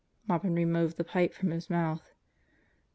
Maupin removed the pipe from his mouth.